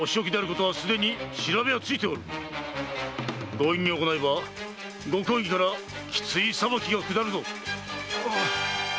強引に行えばご公儀からきつい裁きが下るぞ！